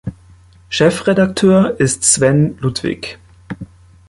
Chefredakteur ist Sven Ludwig.